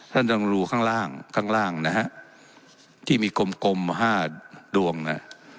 ท่านต้องดูข้างล่างข้างล่างนะฮะที่มีกลมกลมห้าดวงนะ